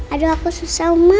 aduh aku susah oma